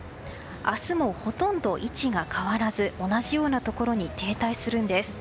明日もほとんど位置が変わらず同じようなところに停滞するんです。